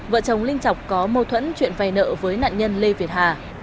vợ chồng linh chọc có mâu thuẫn chuyện vay nợ với nạn nhân lê việt hà